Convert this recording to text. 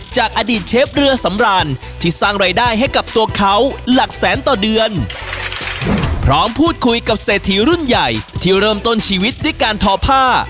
จากอดีตเชฟเรือสำรานที่สร้างรายได้ให้กับตัวเขาหลักแสนต่อเดือนพร้อมพูดคุยกับเศรษฐีรุ่นใหญ่ที่เริ่มต้นชีวิตด้วยการทอผ้า